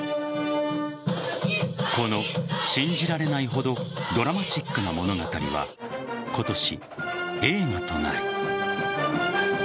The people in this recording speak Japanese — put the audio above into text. この信じられないほどドラマチックな物語は今年、映画となる。